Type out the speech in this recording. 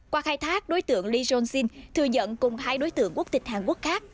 qua khai thác đối tượng lee john jin thừa nhận cùng hai đối tượng quốc tịch hàn quốc khác